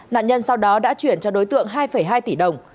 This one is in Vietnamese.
nạn nhân sau đó đã chuyển cho đối tượng hai hai tỷ đồng